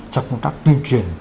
trong công tác tuyên truyền